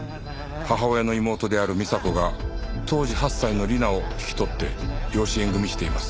母親の妹である美紗子が当時８歳の理奈を引き取って養子縁組しています。